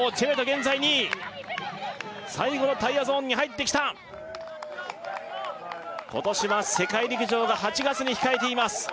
現在２位最後のタイヤゾーンに入ってきた今年は世界陸上が８月に控えています